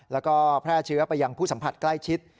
แล้วก็แพร่เชื้อไปยังผู้สัมผัสใกล้ชิด